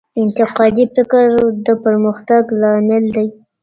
انتقادي فکر د پرمختګ لامل دی.